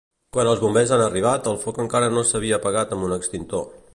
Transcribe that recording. Quan els Bombers han arribat el foc encara no s'havia apagat amb un extintor.